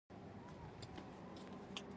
هر بالر ته محدود اوورونه ورکول کیږي.